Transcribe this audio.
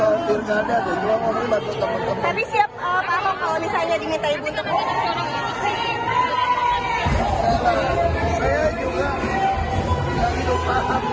saya juga gak hidup patah sungguh tidak